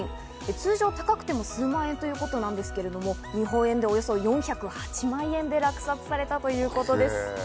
通常、高くても数万円ということですけど、日本円でおよそ４０８万円で落札されたということです。